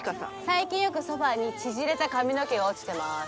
最近よくソファに縮れた髪の毛が落ちてます。